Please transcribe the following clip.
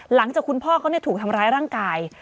หลังจากคุณพ่อเขาถูกทำร้ายร่างกาย